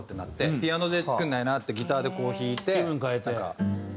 ピアノで作らないなってギターでこう弾いてなんか。